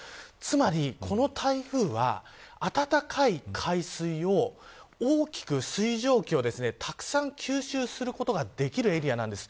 つまり、この台風は暖かい海水を大きく水蒸気をたくさん吸収することができるエリアなんです。